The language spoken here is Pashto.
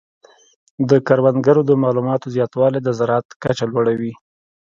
د کروندګرو د معلوماتو زیاتوالی د زراعت کچه لوړه وي.